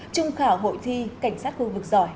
trung khảo hội thi cảnh sát khu vực giỏi